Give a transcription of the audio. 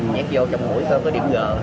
nhét vô trong mũi thôi có điểm g